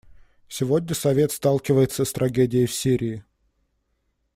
Сегодня Совет сталкивается с трагедией в Сирии.